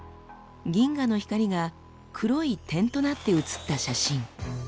銀河の光が黒い点となって写った写真。